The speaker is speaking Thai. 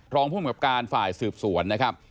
รองภูมิกับการฝ่ายสืบสวนนะครับ